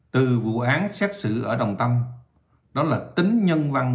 từ vụ án xét xử ở đồng tâm đó là tính nhân văn